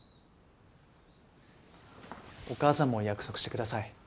お母さんも約束してください。